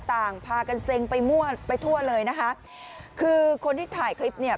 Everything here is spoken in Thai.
ต่างพากันเซ็งไปมั่วไปทั่วเลยนะคะคือคนที่ถ่ายคลิปเนี่ย